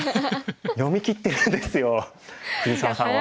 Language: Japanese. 読みきってるんですよ藤沢さんは。